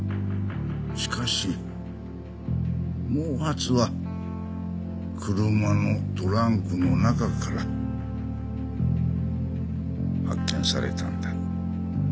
しかし毛髪は車のトランクの中から発見されたんだ。